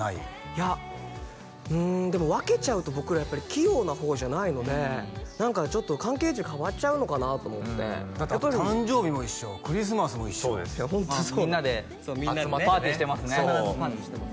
いやうんでも分けちゃうと僕らやっぱり器用な方じゃないので何かちょっと関係値変わっちゃうのかなと思って誕生日も一緒クリスマスも一緒みんなで集まってパーティーしてますね必ずパーティーしてます